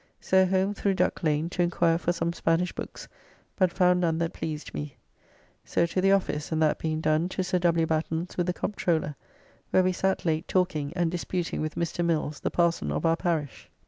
So home through Duck Lane' to inquire for some Spanish books, but found none that pleased me. So to the office, and that being done to Sir W. Batten's with the Comptroller, where we sat late talking and disputing with Mr. Mills the parson of our parish.